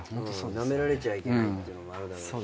なめられちゃいけないってのもあるだろうし。